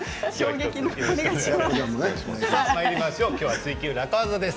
今日は「ツイＱ楽ワザ」です。